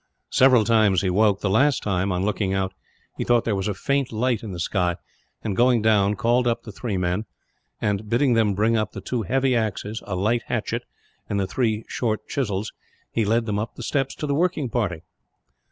Several times he woke. The last time, on looking out, he thought that there was a faint light in the sky and, going down, called up the three men and, bidding them bring up the two heavy axes, a light hatchet, and the three short chisels, he led them up the steps to the working party.